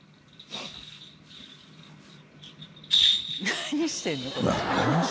何してんのこれ。